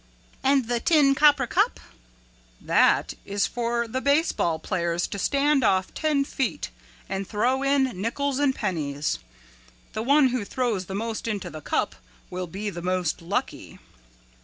'" "And the tin copper cup?" "That is for the base ball players to stand off ten feet and throw in nickels and pennies. The one who throws the most into the cup will be the most lucky."